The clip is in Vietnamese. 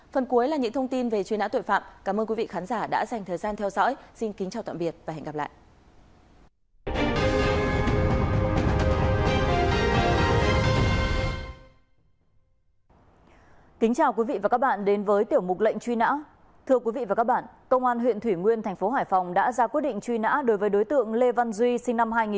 phần cuối là những thông tin về truy nã tội phạm cảm ơn quý vị khán giả đã dành thời gian theo dõi xin kính chào tạm biệt và hẹn gặp lại